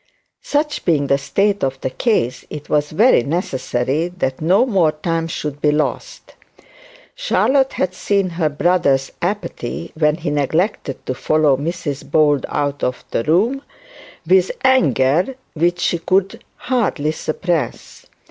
Such being the state of the case, it was very necessary that no more time should be lost. Charlotte had seen her brother's apathy, when he neglected to follow Mrs Bold out of the room, with anger which she could hardly suppress.